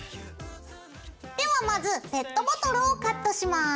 ではまずペットボトルをカットします。